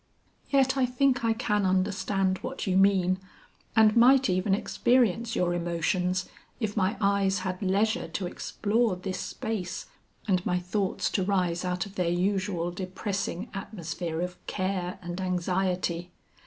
Yet I think I can understand what you mean and might even experience your emotions if my eyes had leisure to explore this space and my thoughts to rise out of their usual depressing atmosphere of care and anxiety.